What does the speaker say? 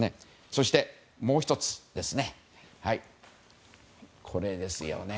そして、もう１つですね。